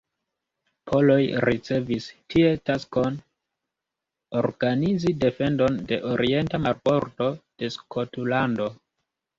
Poloj ricevis tie taskon organizi defendon de orienta marbordo de Skotlando.